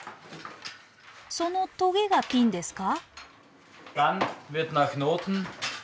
そのとげがピンですか？